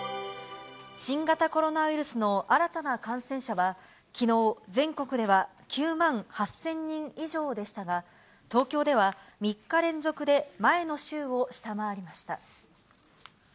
新型コロナウイルスの新たな感染者は、きのう、全国では９万８０００人以上でしたが、東京では３日連続で前の週を下回りました。